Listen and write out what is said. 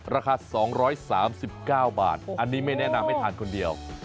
ราคา๒๓๙บาทอันนี้ไม่แนะนำให้ทานคนเดียว